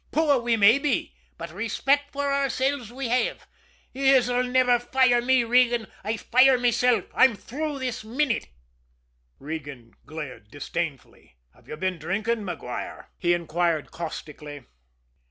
Poor we may be, but rayspect for oursilves we have. Yez'll niver fire me, Regan I fire mesilf. I'm through this minute!" Regan glared disdainfully. "Have you been drinking, Maguire?" he inquired caustically.